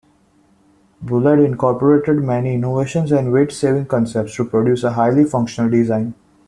Bulleid incorporated many innovations and weight-saving concepts to produce a highly functional design.